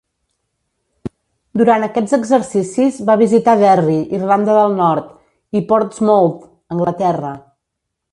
Durant aquests exercicis va visitar Derry, Irlanda del Nord, i Portsmouth, Anglaterra.